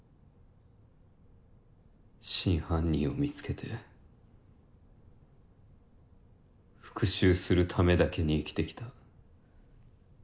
真犯人をみつけて復讐するためだけに生きてきた。